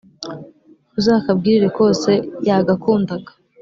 uzakabwirire kose yagakundaga.